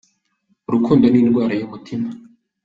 Urukundo ni indwara y'umutima.